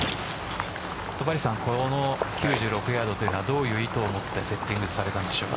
戸張さん、この９６ヤードというのはどういう意図をもってセッティングされたんでしょうか。